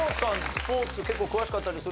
スポーツ結構詳しかったりする？